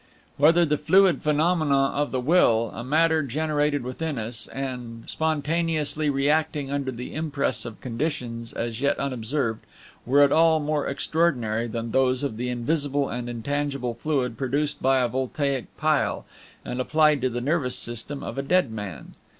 Whether the fluid phenomena of the Will, a matter generated within us, and spontaneously reacting under the impress of conditions as yet unobserved, were at all more extraordinary than those of the invisible and intangible fluid produced by a voltaic pile, and applied to the nervous system of a dead man?